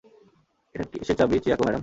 ওটা কিসের চাবি, চিয়োকো ম্যাডাম?